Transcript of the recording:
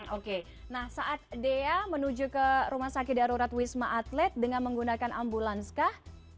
oke nah saat dea menuju ke rumah sakit darurat wisma atlet dengan menggunakan ambulans kah